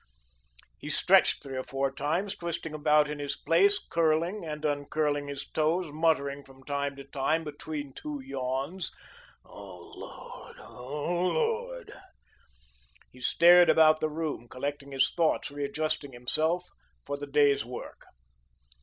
He stretched three or four times, twisting about in his place, curling and uncurling his toes, muttering from time to time between two yawns: "Oh, Lord! Oh, Lord!" He stared about the room, collecting his thoughts, readjusting himself for the day's work.